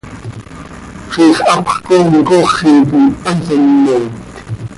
Ziix hapx coom cooxi quih hanso mmooit.